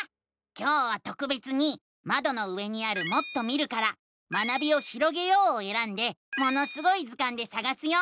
今日はとくべつにまどの上にある「もっと見る」から「学びをひろげよう」をえらんで「ものすごい図鑑」でさがすよ。